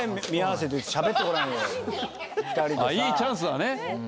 いいチャンスだね。